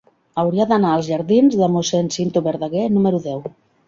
Hauria d'anar als jardins de Mossèn Cinto Verdaguer número deu.